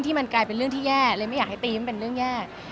มันกลายเป็นเรื่องที่แย่เลยไม่อยากให้ตีมันเป็นเรื่องแย่